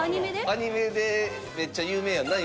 アニメでめっちゃ有名やんな今。